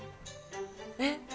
えっ？